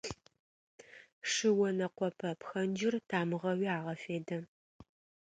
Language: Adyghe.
Шы онэкъопэ пхэнджыр тамыгъэуи агъэфедэ.